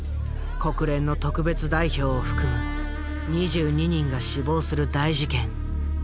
国連の特別代表を含む２２人が死亡する大事件。